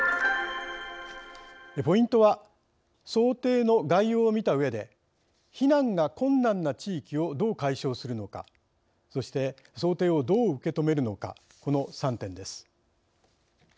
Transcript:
ポイントは想定の概要を見たうえで避難が困難な地域をどう解消するのかそして想定をどう受け止めるのかこの３点です。